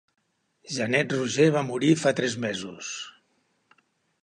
Janet Roger va morir fa tres mesos.